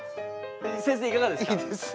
先生いかがでした？